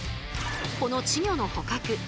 この稚魚の捕獲